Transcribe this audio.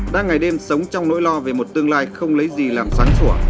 đang ngày đêm sống trong nỗi lo về một tương lai không lấy gì làm sáng sủa